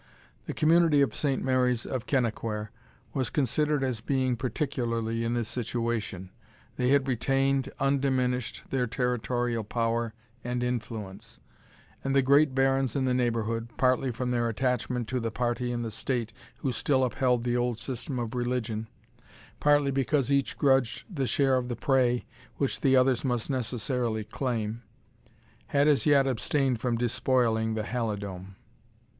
The community of Saint Mary's of Kennaquhair was considered as being particularly in this situation. They had retained, undiminished, their territorial power and influence; and the great barons in the neighbourhood, partly from their attachment to the party in the state who still upheld the old system of religion, partly because each grudged the share of the prey which the others must necessarily claim, had as yet abstained from despoiling the Halidome.